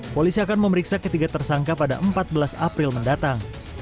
polisi akan memeriksa ketiga tersangka pada empat belas april mendatang